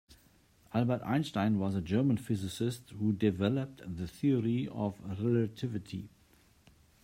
Albert Einstein was a German physicist who developed the Theory of Relativity.